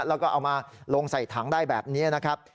แล้วก็เอามาลงใส่ถังได้แบบนี้นะครับ